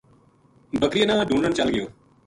بکریاں نا ڈھُونڈن چل گیو